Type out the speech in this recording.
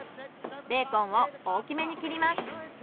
ベーコンを大きめに切ります。